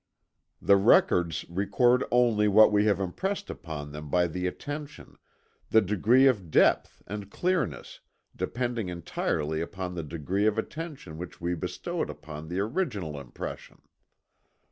The records record only what we have impressed upon them by the attention, the degree of depth and clearness depending entirely upon the degree of attention which we bestowed upon the original impression.